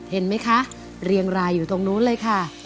เห็นไหมคะเรียงรายอยู่ตรงนู้นเลยค่ะ